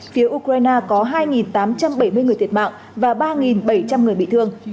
phía ukraine có hai tám trăm bảy mươi người thiệt mạng và ba bảy trăm linh người bị thương